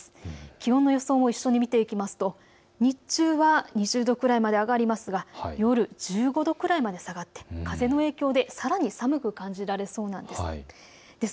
気温の予想も一緒に見ていきますと日中は２０度くらいまで上がりますが夜、１５度くらいまで下がって風の影響でさらに寒く感じられそうなんです。